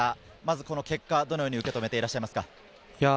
この結果はどのように受け止めてらっしゃいますか？